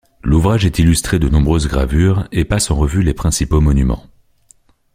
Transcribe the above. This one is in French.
L’ouvrage est illustré de nombreuses gravures et passe en revue les principaux monuments.